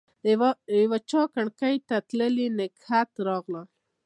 د یوچا کړکۍ ته تللي نګهت راغلی